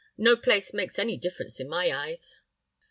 No place makes any difference in my eyes."